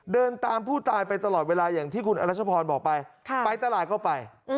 เดินตามผู้ตายไปตลอดเวลาอย่างที่คุณอรัชพรบอกไปไปตลาดก็ไป